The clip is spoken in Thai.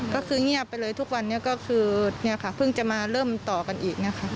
ก็คือเงียบไปเลยทุกวันนี้ก็คือเนี่ยค่ะเพิ่งจะมาเริ่มต่อกันอีกนะคะ